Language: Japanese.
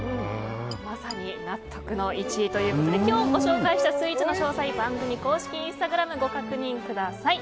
まさに納得の１位ということで今日ご紹介したスイーツの詳細は番組公式インスタグラムでご確認ください。